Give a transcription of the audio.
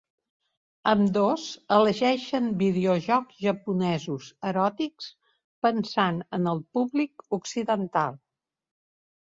Ambdós elegeixen videojocs japonesos eròtics pensant en el públic occidental.